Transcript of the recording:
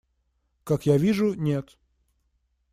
Как я вижу, нет.